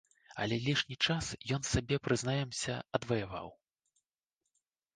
Але лішні час ён сабе, прызнаемся, адваяваў.